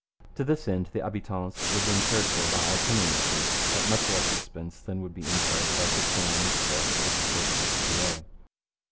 To this end the habitants were being cared for by itinerant priests at much less expense than would be entailed by fixing on each parish the support of its cure.